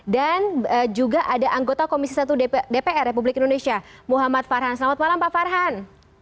dan juga ada anggota komisi satu dpr republik indonesia muhammad farhan selamat malam pak farhan